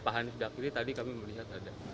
pak hanif dakiri tadi kami melihat ada